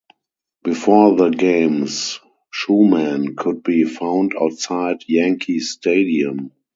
Before the games, Schuman could be found outside Yankee Stadium.